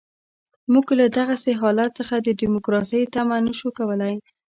موږ له دغسې حالت څخه د ډیموکراسۍ تمه نه شو کولای.